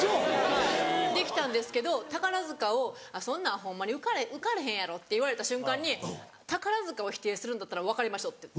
はいできたんですけど宝塚を「そんなんホンマに受かれへんやろ」って言われた瞬間に「宝塚を否定するんだったら別れましょう」って言って。